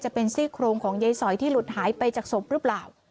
จะเป็นซี่โครงของยายสอยที่หลุดหายไปจากศพหรือเปล่า